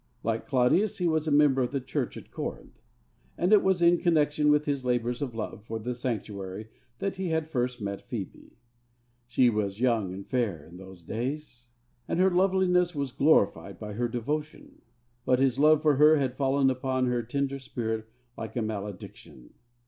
Like Claudius, he was a member of the church at Corinth; and it was in connexion with his labours of love for the sanctuary that he had first met Phebe. She was young and fair in those days, and her loveliness was glorified by her devotion. But his love for her had fallen upon her tender spirit like a malediction.